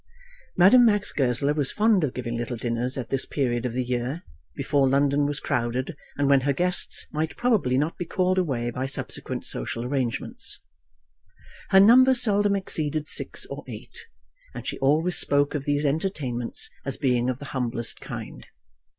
Madame Max Goesler was fond of giving little dinners at this period of the year, before London was crowded, and when her guests might probably not be called away by subsequent social arrangements. Her number seldom exceeded six or eight, and she always spoke of these entertainments as being of the humblest kind.